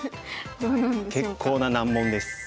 結構な難問です。